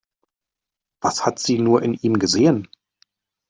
Was hat sie nur in ihm gesehen?